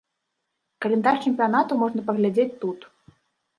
Каляндар чэмпіянату можна паглядзець тут.